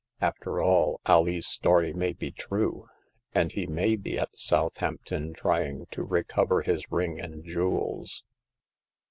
After all, Alee's story may be true ; and he may be at Southampton trying to recover his ring and jewels."